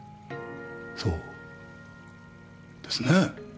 そうですね。